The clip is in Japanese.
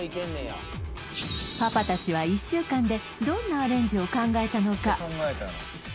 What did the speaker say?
パパ達は１週間でどんなアレンジを考えたのか？